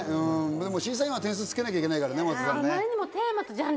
審査員は点数つけなきゃいけないからね、真麻さん。